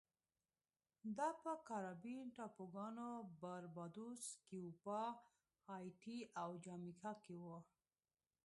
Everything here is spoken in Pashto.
دا په کارابین ټاپوګانو باربادوس، کیوبا، هایټي او جامیکا کې و